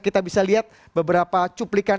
kita bisa lihat beberapa cuplikan